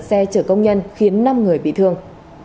xe chở công nhân khiến năm người bị thương